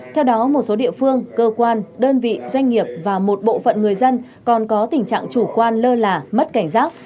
theo đó một số địa phương cơ quan đơn vị doanh nghiệp và một bộ phận người dân còn có tình trạng chủ quan lơ là mất cảnh giác